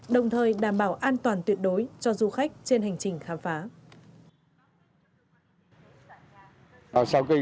đồng thời đảm bảo an toàn tuyệt đối cho du khách trên hành trình khám phá